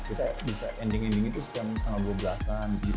kita bisa ending ending itu setiap tanggal dua belas an gitu